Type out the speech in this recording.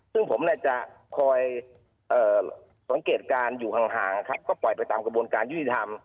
ซึ่งผมจะคอยสังเกตการณ์อยู่ห่างก็ปล่อยไปตามกระบวนการยุติธรรม